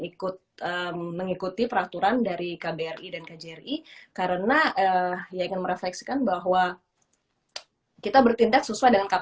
ikut mengikuti peraturan dari kbri dan kjri karena ia ingin merefleksikan bahwa kita bertindak sesuai dengan